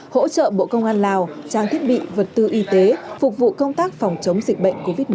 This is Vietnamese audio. hỗ trợ bộ công an lào trang thiết bị vật tư y tế phục vụ công tác phòng chống dịch bệnh covid một mươi chín